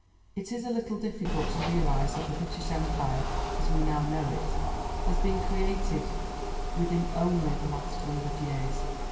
It is a little difficult to realize that the British Empire, as we now know it, has been created within only the last hundred years.